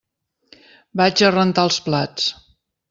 Vaig a rentar els plats.